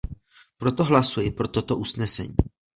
Proto hlasuji pro toto usnesení.